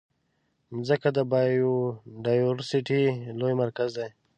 مځکه د بایوډایورسټي لوی مرکز دی.